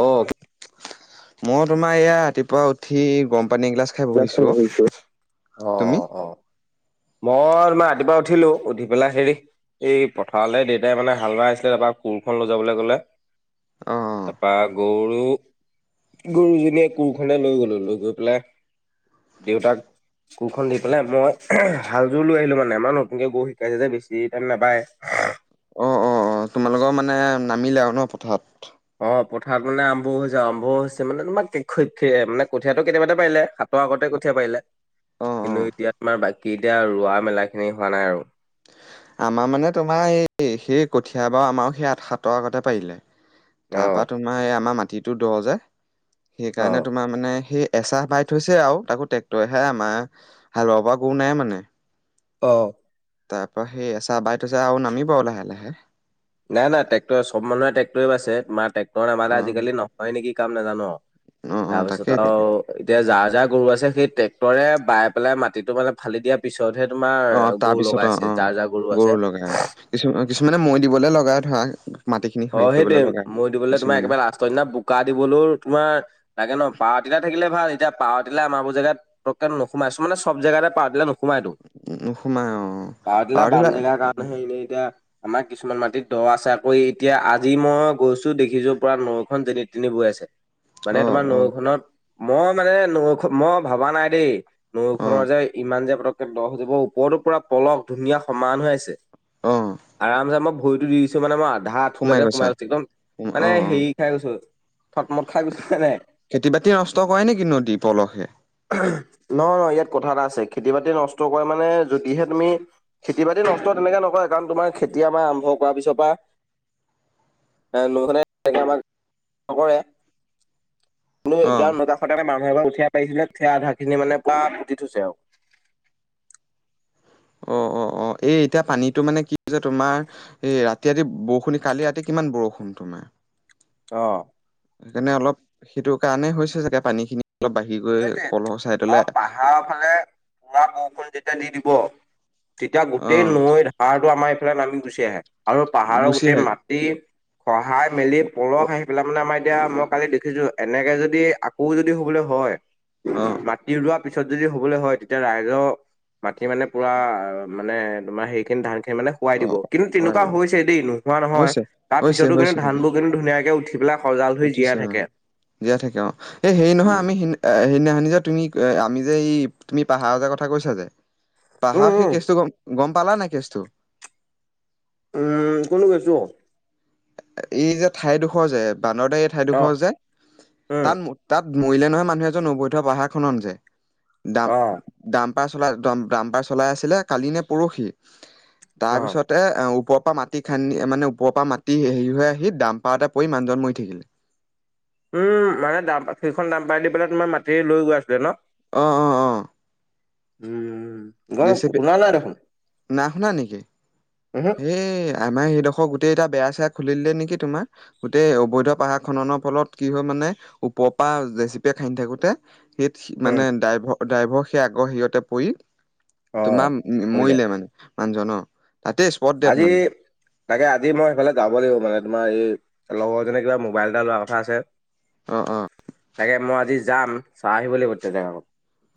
অ' মই তোমাৰ এয়া ৰাতিপুৱা উঠি গম প [unintelligible] অ', তুমি? অ'। মই তোমাৰ ৰাতিপুৱা উঠিলো উঠি পেলাই হেৰি এই পথাৰলৈ দেউতাই মানে হাল বাই আছিলে তাৰপৰা কোৰখন লৈ যাবলৈ কলে। অ', তাৰাপা গৰু গৰুজনীয়ে কোৰখনে লৈ গলো লৈ গৈ পেলাই দেউতাক কোৰখন দি পেলাই মই হালযোৰ লৈ আহিলো মানে আমাৰ নতুনকে গৰু শিকাইছে যে বেছি টাইম নাবাই। অ', অ', অ', তোমালোকৰ মানে নামিলে আৰু ন পথাৰত? অ', পথাৰত মানে আৰম্ভও হৈছে আৰম্ভও হৈছে মানে তোমাৰ মানে কঠীয়াাতটো কেতিয়াবাতে পাৰিলে আগতে কঠিয়াই পাৰিলে। অ', কিন্তু অ', এতিয়া তোমাৰ বাকী এতিয়া ৰুৱা মেলাখিনি হোৱা নাই আৰু। আমাৰ মানে তোমাৰ এই সেই কঠীয়া বাৰু আমাৰো সেই সাতৰ আগতে পাৰিলে। তাৰ পৰা অ', তোমাৰ এই আমাৰ মাটিটো দ' যে সেইকাৰণে অ', তোমাৰ মানে সেই এচাহ বাই থৈছে আৰু তাকো ট্ৰেক্টৰেহে আমাৰ হাল বাব পৰা গৰু নাই মানে। অ'। তাৰ পৰা সেই এচাহ বাই থৈছ আৰু নামিব আৰু লাহে লাহে। নাই নাই ট্ৰেক্টৰে চব মানুহেট্ৰেক্টৰে বাইছে মাৰ ট্ৰেক্টৰে নাবলে অ', আজালি নহয় নেকি কাম নাজানো অ', আৰু। অ', তাৰপিছত তাকেই আৰু এতিয়া যা যাৰ গৰু আছে সেই ট্ৰেক্টৰ ৰে বাই পেলাই মাটি টো মানে ফালি দিয়াৰ পিছত পিছতহে অ তোমাৰ গৰু তাৰপিছত অ অ লগাইছে যাৰ যাৰ গৰু আছে। মানে মৈ দিবলৈ লগাই ধৰা মাটিখিনি হেৰি অ', কৰিবলৈ সেইটোৱে লগাই মৈ দিবলৈ তোমাৰ কিছুমানে একেবাৰে লাষ্টৰ দিনা বোকা দিবলৈও তোমাৰ লাগে ন পাৱাৰতিলা থাকিলে ভাল এতিয়া পাৱাৰতিলা আমাৰ বোৰ জেগাত নোসোমাই মানে চব জেগাতে পাৱাৰতিলা নু নোসোমাইতো নোসোমাই অ পাৱাৰটিলা বাম পাহৰিলা জেগাৰ কাৰণে হে এনেই এতিয়া আমাৰ কিছুমান মাটিত দ' আছে আকৌ এই এতিয়া আজি মই গৈছো দেখিছো পুৰা নৈখন যেনি তেনিয়ে বৈ আছে মানে অ তোমাৰ অ নৈখনত মই মানে নৈখন মই ভবা নাই দেই অ নৈখনৰ যে ইমান যে পটকতে দ হৈ যাব ওপৰতো পুৰা পলস ধুনীয়া সমান হৈ আছে অ আৰামচে মই ভৰিটো দি দিছো মানে মই আধা আথুলৈকে সোমাই গৈছে একদম অ মানে অ হেৰি খাই গৈছো থট মট খাই গৈছো মানে খেতি বাতি নষ্ট কৰে নেকি নদী পলসে নহ নহয় ইয়াত কথা এটা আছে খেতি বাতি নষ্ট কৰে মানে যদিহে তুমি খেতি বাতি নষ্ট তেনেকে নকৰে কাৰণ তোমাৰ খেতি আমাৰ আৰম্ভ কৰাৰ পিছৰ পৰা লৈখনে তেনেকে আমাক নকৰে কোনো এ অ ন মান নব কঠিয়াই পাৰিছিলে কঠিয়া আধা খিনি মানে পুৰা ফুতি থৈছে আৰু অ অ অ এই এতিয়া পানীটো মানে কি যে তোমাৰ এই ৰাতি ৰাতি বৰষুণ কালি ৰাতি কিমান বৰষুণ তোমাৰ অ সেইকাৰণে অলপ সেইটো কাৰণে হৈছে চাগে পানী খিনি অলপ বাঢ়ি গৈ সেইটোৱে কলহ চাই অ তলে পাহাৰৰ ফালে পুৰা বৰষুণ যেতিয়া দি দিব তেতিয়া গোটেই নৈৰ ধাৰটো আমাৰ এইফালে নামি গুচি আহে আৰু পাহাৰৰ গুচি গোটেই আহে মাটি খহাই মেলি পলস আহি পেলাই মানে আমাৰ এতিয়া মই কালি দেখিছো এনেকে যদি আকৌ যদি হবলৈ হয় অ মাটি ৰোৱা পিছত যদি হবলৈ হয় তেতিয়া ৰাইজৰ বাকি মানে পুৰা অ মানে তোমাৰ সেই খিনি ধান খিন মানে শোৱাই দিব অ', কিন্তু পোৱাই তেনেকুৱা দিব হৈছে দেই নোহোৱা নহয় হৈছে তাৰ হৈছে পিছতো কিন্তু হৈছে ধান অ' বোৰ কিন্তু ধুনীয়াকে উঠি পেলাই সজাল হৈ জীয়াই উঠিছে অ থাকে জীয়াই থাকে অ এই হেৰি নহয় উম আমি তুমি আমি যে তুমি পাহাৰ কথা কৈছা যে উম পাহাৰৰ সেই উম কেচতো গম গম পালানে নাই কেছটো উম কোন গৈছো এই যে ঠাইডোখৰ যে বানৰদ এই অ ঠাইডোখৰ যে উম তাত তাত মৰিলে নহয় মানুহ এজন অবৈধ পাহাৰখনত যে অ দাম চলাই আছিলে ডামপাৰ চলাই আছিলে কালি নে পৰহি তাৰ অ পিছতে ওপৰপা পৰা মাটি খান্দি মানে ওপৰ পৰা মাটি হেৰি হৈ আহি দাম পাৰতে পৰি মানুহজন মৰি থাকিলে উম মানে দাম সেইখন দাম্পাৰ দি পেলাই তোমাৰ মাটি লৈ গৈ আছিলে ন অঅ অ উম জে গম চি বি শুনা নাই দেখোন উহু হেই আমাৰ সেইডোখৰ গোটেই এটা বেয়া চেয়া খুলিলে নেকি তোমাৰ গোটেই অবৈধ পাহাৰ খনৰ ফলত কি হয় মানে উপ ৰেজেচিপিয়ে খান্দি থাকোতে সেই মানে উম। ড্ৰাইভৰ ড্ৰাইভৰ সেই আগৰ সিৰিতে পৰি অ তোমাৰ কৰিলে মৰিলে মানে মানুহ জনৰ আজি তাকে আজি মই সেইফালে যাব লাগিব মানে তোমাৰ এই লগৰজনে কিবা মোবাইল এটা লোৱা কথা আছে অ অ তাকে মই আজি যাম চাই আহিব লাগিব তে জেগা কন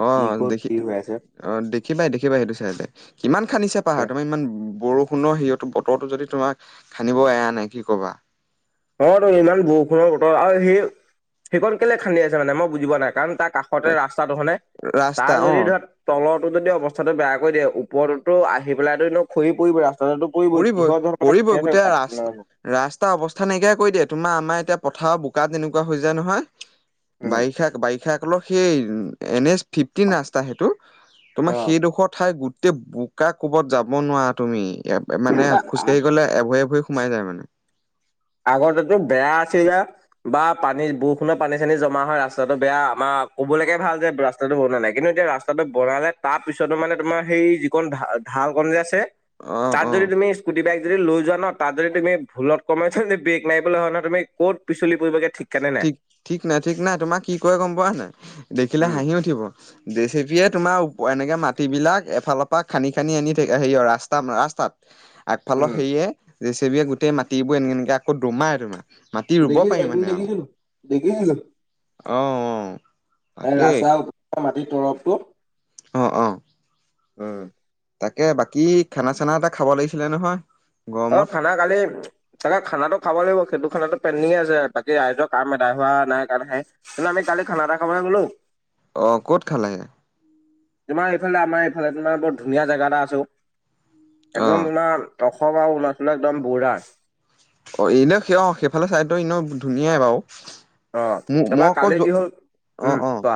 অ কি কত দেখি কি হৈ আছে অ দেখিবাই দেখিবাই সেইটো চাইে কিমান খান্দিছে পাহাৰ তোমাৰ ইমান বৰষুণৰ হেৰিয়টো বতৰটো যদি তোমাক খান্দিব এয়া নাই কি কবা অ তো ইমান বৰষুণৰ বতৰ আৰু সেই সেইখন কেলে খান্দি আছে মানে মই বুজ পোৱা নাই কাৰণ তাক কাষতে ৰাস্তাটো হয়নে তাৰ ৰাস্তা যদি অ ধৰা তলত বৰষুণদিৱস্থাটো বেয়া কৰি দিয়ে ওপৰতো আহি পেলাই টো এনে খৰি পৰিব ৰাস্ত পৰিবই পৰিবই গোটেই ৰাস মানে ৰাস্তা অৱস্থা নাইকিয়া কৈ দিয়ে তোমাৰ আমাৰ এতিয়া পথাৰ বোকা তেনেকুৱা হৈ যায় নহয় উম, বাৰিষা বাৰিষা সেই এনে এছ ফিফটিন ৰাস্তা সেইটো তোমাৰ অ', সেইডোখৰ ঠাই এয়া বোকা কোবত যাব নোৱাৰা তুমি এ মানে খোজকাঢ়ি গ'লে এভৰি এভৰি সোমাই যায় মানে আগতেতো বেয়া আছিলে বা পানী বৰষুণত পানী চানী জমা হয় ৰাস্তাটো বেয়া আমাৰ ক'বলৈকে ভাল যে ৰাস্তাটো বনোৱা নাই কিন্তু এতিয়া ৰাস্তাটো বনালে তাৰ পিছতো মানে তোমাৰ সেই যিখন হল কন যে আছে অ তাত অ যদি তুমি সস্কুটি বাইক যদি লৈ যোৱা ন তাত যদি তুমি ভুলত কমাই ব্ৰেক মাৰিবলে হ'লে [unintelligible] তুমি ক'ত পিচলি পৰিবাগে ঠিক, ঠিক নাই, ঠিক নাই তোমাৰ কি কৰে গম পোৱা নে নাই, দেখিলে উম, হাঁহি উঠিব, জেচিপিয়ে তোমাৰ এনেকে মাটিবিলাক এফালৰ পৰা খান্দি, খান্দি আনি থাকে, হেৰি ৰাস্তা, ৰাস্তাত। আগফালৰ উম, হেৰিয়ে, জেচিবিয়ে গোটেই মাটিবোৰ এনেকে, এনেকে আকৌ দমায়ে, দমায়ে। মাটি ৰুব পাৰি মানে আৰু। দেখিলো। অ', অ'। সেই তাকে ৰাস্তাৰ ওপৰৰ মাটিৰ তৰফটো অ', অ'। উম। তাকে, বাকী খানা-চানা এটা খাব লাগিছিলে নহয়। গৰমত অ', খানা কালি, তাকে খানাটো খাব লাগিব, সেইটো খানাটো পেন্ডিঙেই আছে। বাকী ৰাইজৰ কাম এদাই হোৱা নাই কাৰণহে, কিন্তু আমি কালি খানা এটা খাবলৈ গলো। অ', ক'ত খালোগে? তোমাৰ এইফালে আমাৰ এইফালে, তোমাৰ বৰ ধুনীয়া জেগা এটা আছে অ', অ একদম তোমাৰ অসম আৰু অৰুণাচলৰ একদম বৰ্ডাৰ। অ', এনেও সাইয় সেইফালে চাইডত এনেও ধুনীয়াই বাৰু। অ ম মই তাৰপৰা কালি কি হ'ল [unintelligible] উম অ', অ'। কোৱা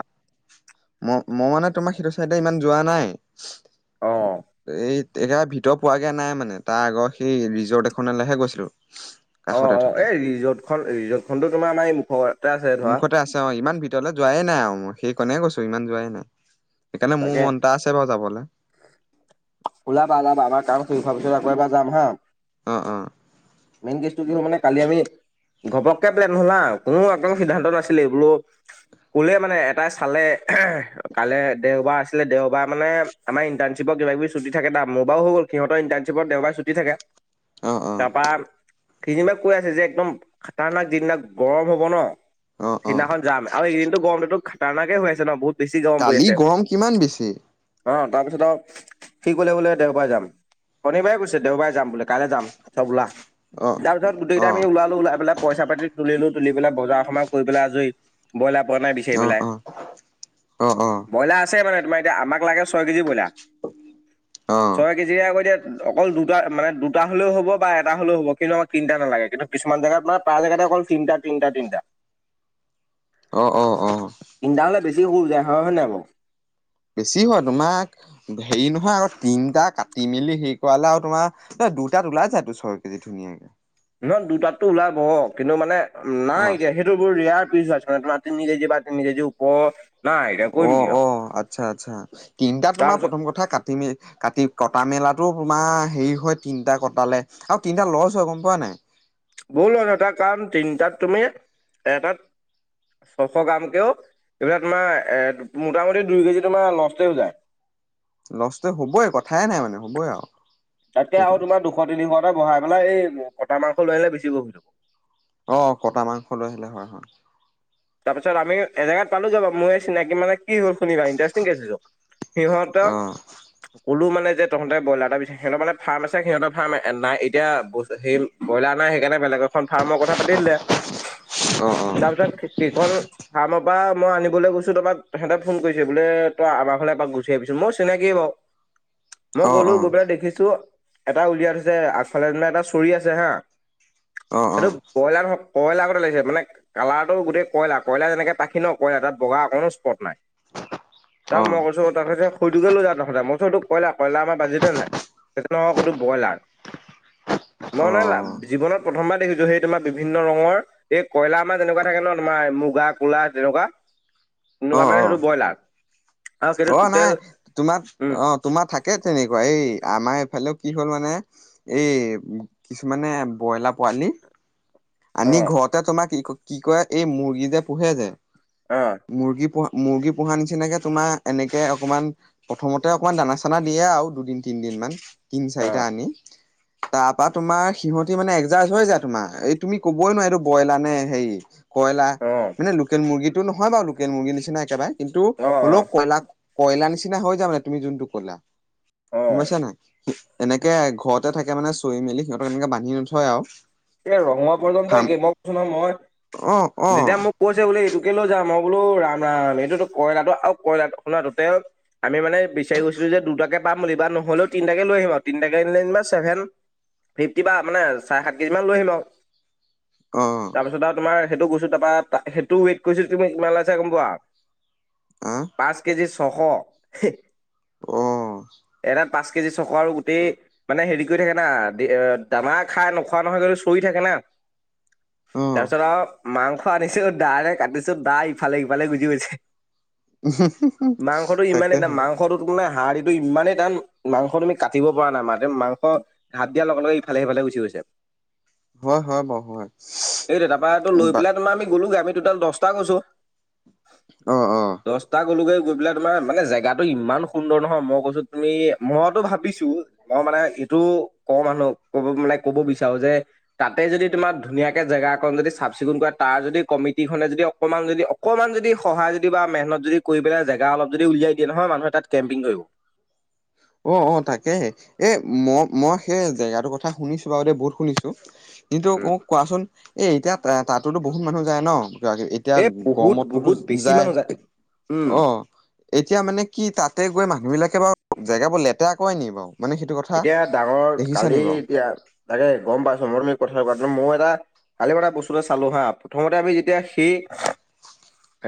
ম মই মানে তোমাৰ সেইটো সাইদেই ইমান যোৱা নাই, অ এই একেবাৰে ভিতৰ পোৱাগৈ নাই মানে, তাৰ আগৰ সেই ৰিজৰ্ট এখনলৈহে গৈছিলোঁ। অ', অ', এই ৰিজৰ্টখন ৰেচৰ্তখন্তি তোমাৰ আমাৰ এই মুখৰ মুখতে আছে অ', ইমান ভিতৰলৈ যোৱাই নাই আৰু মই সাইকনাই গৈছো ইমান যোৱাই নাই। সেইকাৰণে মোৰ তাকে, মন এটা আছে বাৰু যাবলে ওলাব ওলাব অমৰ কাম শেষ ভালকে আকৌ এবাৰ জাম হা, অ অ মইন কেছটো কি মানে কালি আমি ঘপককৈ প্লন হল হা, কোনো একদম সিদ্ধান্ত লোৱা নাছিলে বুলু। কলে মানে এটাই চালে কালে দেওবাৰ আছিল দেওবাৰ মানে আমাৰ ইণ্টাৰ্ণশিপৰ কিবা কিবিু চুটি থাকো তাত মোৰ বাৰো গ'ল সিহতৰ ইণ্টাৰ্ণশিপত দেওবাৰে দি থাকে। অ অ তাৰপা, সিদিনা কৈ আছে যে একদম খাতনাক যিদিনা গৰম হব ন। অ অ সেইদিনাখন যাম আৰু আইকেদিনটো গৰমটোতো খতাৰ্ণকৈ হৈ আছে ন বহুত বেছি গৰম পৰি কালি আছে। গৰম কিমান বেছি। অ', তাৰপিছত আৰু সি কলে বোলে দেওবাৰে জাম। শনিবাৰে কৈছে দেওবাৰে যাম বুলি কাইলৈ যাম চব উলা। অ তাৰপিছত গোটেইকেইটা অ আমি ওলালোঁ উলৈপেলৈ পইছাপাতি তুলিলোঁ। তুলিপেলৈ বজাৰ সমাৰ কৰী আজৰি, বইলাৰ অ', অ', অ', অ'। ব্ৰইলাৰ আছে মানে তোমাৰ এতিয়া আমাক লাগে সৈ কেজী বইলাৰ, অ সৈ কেজিয়াই আকৌ এতিয়া অকল দুটা মানে দুটা হলেও হ'ব বা এটা হলেও হ'ব কিন্তু আমাক তিনটা নালাগে কিন্তু কিছুমান জেগাত মানে প্ৰায় জেগাটা অকল তিনটা, তিনিটা, তিনিটা। অ', অ', অ'। তিনিটা হ'লে বেছি স যায় হয়-হয় নোই বৌ বেছি হয় তোমাক, হেৰি নহয় আৰু তিনটা কাটি মেলি হেৰি কৰালে আৰু তোমাৰ দুটাত ওলাই জাইটো চৰ্বি ধুনীয়াকৈ। খন দুটাতো ওলাব কিন্তু মানে নাই অ এতিয়া সৈতে বহুত ৰাৰে পিছ হৈ। [unintelligible] অ', অ', আচ্ছা, আচ্ছা তিনটা তোমাৰ তাৰপিছত প্ৰথম কথা কাতি মে কাতি কটা মেলাত টো তোমাৰ হেৰি হয় তিনটা কটালে আৰু তিনটা লছ হয় গম পোৱা নাই। ভুল হল এটা কাম তিনটাত তুমি এটাত শ, শ গৰম কেও এইবিলাক তোমাৰ এ মোটামুটি দুই কেজি তোমাৰ লষ্টে যায়। লষ্টটো হ'বই কথাইে নাই মানে হ'বই আৰু। তাতকে সেইটো আৰু তোমাৰ দুশ তিনিশটা বঢ়াই পেলাই এই কটা মাংস লৈ আহিলে বেছি বহি অ', কটা মাংস লৈ আহিলে হয় হয়। তাৰপিছত আমি এ জেগাত পালো যাব মোৰে চিনাকি মানে কি হ'ল শুনিবা ইণ্টাৰেষ্টিং কেছ সেইটো। সিহঁতক অ', ক'লো মানে যে তহঁতে ব্ৰইলাৰ এটা বিছ সিহঁতৰ মানে ফাৰ্ম আছে সিহঁতৰ ফাৰম নাই এতিয়া সেই ব্ৰইলাৰ নাই। সেই কাৰণে বেলেগ এখন ফাৰ্মৰ কথা পাতি দিলে। অ', তাৰ পিছত সেইখন ফাৰ্ম তাৰ পৰা মই আনিবলৈ গৈছো তপ পৰা সিহঁতে ফোন কৰিছে বোলে। তই আমাৰ ফালে এপাক গুচি আহিছো মই চিনাকিয়ে বাৰু। [inaudible] মই অ', অ', গ'লো অ', গৈ পেলাই দেখিছো এটা উলিয়াইছে আগফালে দি এটা চৰি আছে হা। অ', অ', সেইটো ব্ৰইলাৰ কয়লাৰতে লাগিছে মানে কালাৰটো গোটেই কয়লা কয়লা যেনেকে পাখি ন কয়লা তাত বগা অকনো স্পট নাই। তাৰ পিছত অ', মই কৈছো তাৰ সৈটোকে লৈ যা তহঁতে মই তো এইটো কয়লা, কয়লা আমাৰ বাজিতে নাই। সেইটো নহয় সেইটো ব্ৰইলাৰ। অ', মই মানে জীৱনত প্ৰথমবাৰ দেখিছো সেই তোমাৰ বিভিন্ন ৰঙৰ। এই কয়লা আমাৰ যেনেকুৱা থাকে ন তোমাৰ মুগা কোলা তেনেকুৱা। অ', এনেকুৱা অ', মানে অ', সেইটো ব্ৰইলাৰ। আৰু সেইটো অ', টোটেল নাই তোমাৰ উম অ' তোমাৰ থাকে তেনেকুৱা। এই আমাৰ এইফালে কি হ'ল মানে এই কিছুমানে ব্ৰইলাৰ পোৱালি অ আনি ঘৰতে তোমাক কি কি কৰে এই মুৰ্গী যে পোহে যে অ মুৰ্গী পো মুৰ্গী পোহা নিচিনাকে তোমাৰ এনেকে অকমান প্ৰথমতে অকণমান দানা চানা দিয়ে আৰু দুদিন তিনদিন। তিন অ চাৰিটা আনি। তাৰ পৰা তোমাৰ সিহতি মানে একজাচ হৈ যায় তোমাৰ এই তুমি ক'বই নোৱাৰা এইটো ব্ৰইলাৰ নে হেৰি কয়লাৰ অ মানে লোকেল মুৰ্গী। এইটো নহয় বাৰু লোকেল মুৰ্গীৰ নিচিনা একেবাৰে কিন্তু অ হ'লেও কয়লা কয়লা নিচিনা হৈ যায় মানে তুমি যোনটো ক'লা অ গম অ পাইছানে নাই। এনেকে ঘৰতে থাকে মানে চৈ মেলি সিহঁতক এনেকে বান্ধি নথয় আৰু। এই ৰঙৰ পৰ্যন্ত ফাৰ্ম একে মই কৈচো নহয় অ অ মই যেতিয়া মোক কৈছে বুলে এইটো এতো কে লৈ যা। মই বোলো ৰাম ৰাম এইটোতো কইলাটো আৰু কয়লাটো শুনা আমি মানে বিচাৰি গৈছিলো যে দুটাকে পাম বুলি বা নহ'লেও তিনটাকে লৈ আহিম আৰু তিনটাকে লৈ আহিলে চেভেন ফিফটি বা মানে চাৰে সাত কেজি মান লৈ আহিম আৰু অ তাৰপিছত আৰু তোমাৰ সেইটো গৈছো তাৰ পা সেইটো ৱেট কৰিছো তুমি কিমান গম পোৱা আহ পাঁচ কেজি ছশ। অহ। এটাত পাঁচ কেজি ছয়শ আৰু গোটেই মানে হেৰি কৰি থাকে না দানা খাই খোৱা নহয় সিহঁতে চৰি থাকে না। অ তাৰ পিছত আৰু মাংস আনিছো দাৰে কাটিছো দা ইফালে সফালে গুচি গৈছে। মাংসটো ইমানে টান তাকেহে মাংসটো হাড়দিটো ইমানেই টান মাংস তুমি কাটিব পৰা নাই মা-মাংস ঘাপ দিয়াৰ লগে লগে ইফালে সিফালে গুচি গৈছে। হয় হয় বাৰু হয়। এইটো তাৰপৰা এইটো লৈ বা পেলাই তোমাৰ আমি গ'লো আমি দহটা কৈছো অ অ দহটা গ'লে গৈ পাই তোমাৰ মানে জেগাটো ইমান সুন্দৰ নহয় মই কৈছো তুমি মইতো ভাবিছো মই মানে এইটো ক মানুহ ক'ব মানে ক'ব বিচাৰো যে তাতে যদি তোমাৰ ধুনীয়াকে জেগা অকন যদি চাফ চিকুণ কৰা তাৰ যদি কমিটিখনে যদি অকমান যদি অকমান যদি সহায় যদি বা মেহনত যদি কৰি পেলাই জেগা অলপ যদি উলিয়াই দিয়ে নহয়। মানুহে তাত কেম্পিং কৰিব। [inaudible] অ', অ', তাকেহে এ-ম-মই সেই জেগাটোৰ কথা শুনিছো বাৰু দে বহুত শুনিছো। কিন্তু উম মোক কোৱাচোন এ এতিয়া তাতোতো বহুত মানুহ যায় ন। এতিয়া এ বহুত গৰমতো বহুত বেছি যায়। মানুহ উম অ', এতিয়া মানে কি তাতে গৈ মানুহবিলাকে বাৰু জেগাবোৰ লেতেৰা কৰে নেকি বাৰু? মানে সেইটো কথা এতিয়া ডাঙৰ, দেখিছা নি কালি বাৰু এতিয়া তাকে গম পাইছোঁ মৰমি ক মই এটা কালি ক এটা বস্তুটা চালো হা, প্ৰথমতে আমি যেতিয়া সেই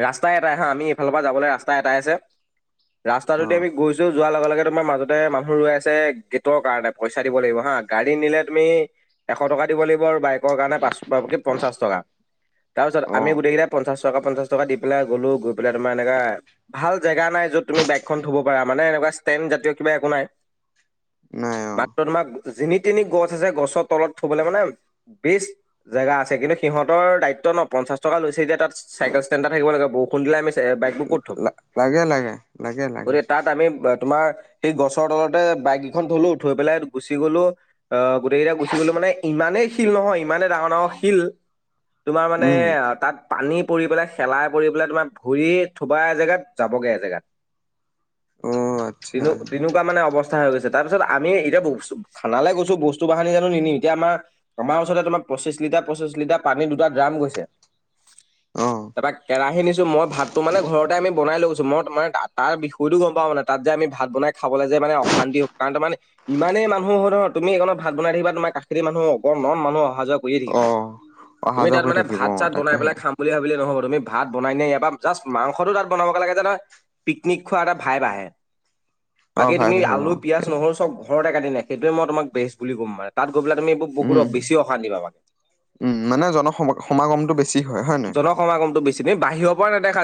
ৰাস্তাই এটাই হা আমি এইফালৰপৰা যাবলৈ ৰাস্তা এটাই আছে। অ ৰাস্তাটোদি আমি গৈছোঁ, যোৱাৰ লগে লগে তোমাৰ মাজতে মানুহ ৰৈ আছে। গেটৰ কাৰণে পইচা দিব লাগিব হা, গাড়ী নিলে তুমি এশ টকা দিব লাগিব। আৰু বাইকৰ কাৰণে পাঁচ-পঞ্চাশ টকা তাৰ পিছত অ আমি গোটেইকেইটাই পঞ্চাশ টকা পঞ্চাশ টকা দি পেলাই গ'লো, গৈ পেলাই তোমাৰ এনেকা ভাল জেগা নাই য'ত তুমি বাইকখন থ'ব পাৰা মানে এনেকুৱা বা ষ্টেন জাতীয় কিবা একো নাই নাই অ মাত্ৰ তোমাক যেনি তিনি গছ আছে গছৰ তলত থবলৈ মানে বেষ্ট জেগা আছে কিন্তু সিহঁতৰ দায়িত্ব তন' পঞ্চা টকা লৈছে যেতিয়া তাত চাইকেল ষ্টেণ্ডটা থাকিব লাগে, বৰষূণ দিয়া আমি তে বাইকবোৰ ক'ত থ'ম? লা লাগে লাগে লাগে লাগে গতে তাত আমি তোমাৰ সেই গছৰ তলতে বাইক খন থলো থৈ পেলাই গুচি গ'লো আ, গোটেইকেইটা গুচি গ'লো মানে ইমানেই শিল নহয় ইমানেই ডাঙৰ ডাঙৰ শিল, তোমাৰ মানে উম তাত পানী পৰি পেলাই, খেলাই পৰি পেলাই তোমাৰ ভৰি থবা এজেগাত যাবগে এজেগাত। অ আচ্ছা তেনেকুৱা মানে অৱস্থা হৈ গৈছে। তাৰপিছত আমি এতিয়া বছ-থানালৈ গৈছোঁ, বস্তু বাহানি জানো নিম এতিয়া আমাৰ আমাৰ ওচৰতে তোমাৰ পঁচিশ লিটাৰ তিয়া পঁচিছ লিটাৰ পানীৰ দুটা ড্ৰাম গৈছে। অ তাৰপা কেৰাহী নিছো, মই ভাতটো মানে ঘৰতে আমি বনাই লৈছোঁ মই মানে তাৰ বিষয়তো গম পাওঁ মানে তাত যে আমি ভাত বনাই খাবলৈ যে মানে অশান্তি কাৰণ তাৰ ইমানেই মানুহ হয় ন' ধৰ তুমি এইখনত ভাত বনাই থাকিবা তোমাৰ কাষ মানুহক নৰ মানুহ অহা অহা যোৱা কৰিয়ে থাকিব। অ অহা তুমি যোৱা তাত কৰি মানে থাকিব ভাত অ চাত বনাই তাকেহে পেলাই খাম বুলি ভাবিলে নহ'ব। তুমি ভাত বনাই নিয়া ইয়াৰপা, জাষ্ট মাংসটো তাত বনাবগৈ লাগে যেন পিকনিক খোৱা এটা ভাইব আহে। বাকী অ' ভাইব তুমি আহে, আলু, অ'। পিয়াজ, নহৰু চব ঘৰতে কটি নে, সেইটোৱেই তোমাক বেষ্ট বুলি ক'ম মানে তাত গৈ পেলাই তুমি একে বহুত উম বেছি অশান্তি পাবা। উম, মানে জন সমাগমটো বেছি হ'য়। হ'য় নে নহয়? জনসমাগমটো বেছি তুমি বাহিৰৰ পৰা নেদেখা